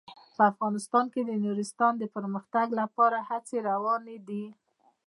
په افغانستان کې د نورستان د پرمختګ لپاره هڅې روانې دي.